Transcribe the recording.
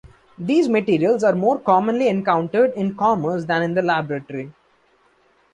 These materials are more commonly encountered in commerce than in the laboratory.